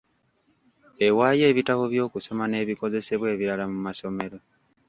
Ewaayo ebitabo by'okusoma n'ebikozesebwa ebirala mu masomero.